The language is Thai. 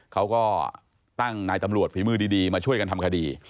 เขาก็ตั้งนายตำรวจฝีมือดีมาช่วยกันทำคดี